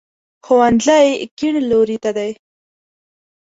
ښوونځی کیڼ لوري ته دی